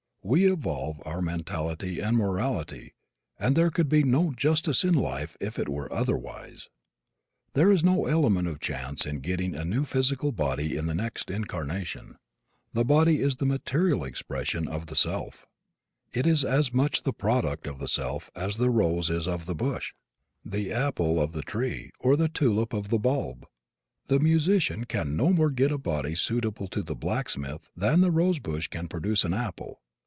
We evolve our mentality and morality, and there could be no justice in life if it were otherwise. There is no element of chance in getting a new physical body in the next incarnation. The body is the material expression of the self. It is as much the product of the self as the rose is of the bush, the apple of the tree, or the tulip of the bulb. The musician can no more get a body suitable to the blacksmith than the rose bush can produce an apple.